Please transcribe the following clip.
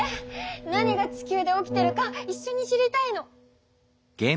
何が地球で起きてるかいっしょに知りたいの。